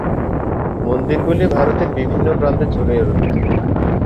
মন্দিরগুলি ভারতের বিভিন্ন প্রান্তে ছড়িয়ে রয়েছে।